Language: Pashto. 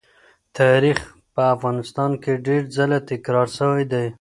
تاریخ په افغانستان کې ډېر ځله تکرار سوی دی.